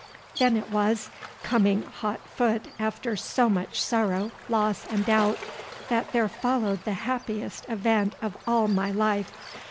Then it was, coming hot foot after so much sorrow, loss and doubt, that there followed the happiest event of all my life.